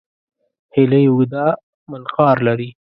هیلۍ اوږده منقار لري